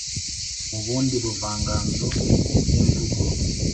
mu bundi buvanganzo nyemvugo